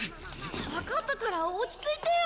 わかったから落ち着いてよ。